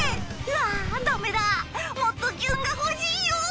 あダメだもっとキュンが欲しいよ！